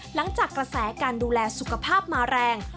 หลังจากกระแสการดูแลสุขภาพมาแรง